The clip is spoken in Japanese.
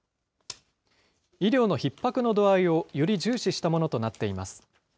医療のひっ迫の度合いをより重視したものとなっています。